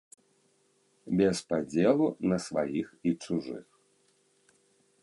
Без падзелу на сваіх і чужых.